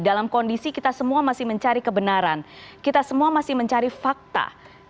dalam kondisi kita semua masih mencari kebenaran kita semua masih mencari fakta